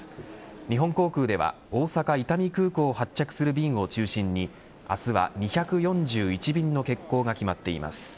日本航空では大阪伊丹空港を発着する便を中心に明日は２４１便の欠航が決まっています。